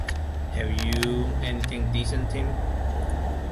Have you anything decent, Tim?